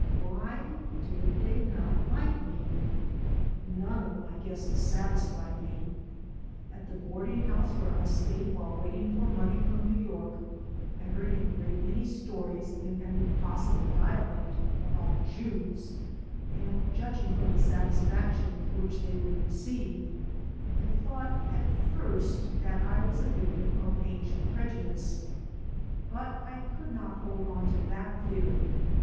Why did they not like me? None of my guesses satis 210 IN THE MOLD fied me. At the boaxding house where I stayed while waiting for money from New York I heard a great many stories in an impossible dialect about Jews, and judging from the satisfaction with which they were received I thought at first that I was a victim of ancient prejudice. But I could not long hold on to that theory.